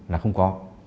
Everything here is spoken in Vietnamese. là không có